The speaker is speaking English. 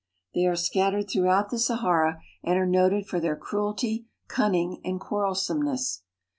They are scat tered throughout the Sahara and are noted for their cruelty, cunning, and quarrelsomeness.